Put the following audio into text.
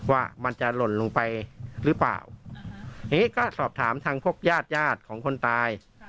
ว่ามันจะหล่นลงไปหรือเปล่าทีนี้ก็สอบถามทางพวกญาติญาติของคนตาย